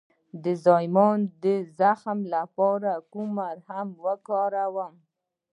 د زایمان د زخم لپاره کوم ملهم وکاروم؟